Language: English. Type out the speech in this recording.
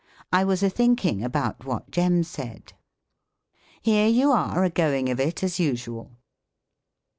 "I was a thinking about what Jem said." "Here you are, a going of it, as usual!"